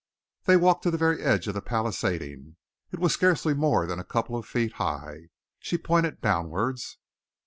They walked to the very edge of the palisading. It was scarcely more than a couple of feet high. She pointed downwards.